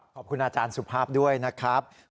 ขอบคุณอาจารย์สุภาพด้วยนะครับ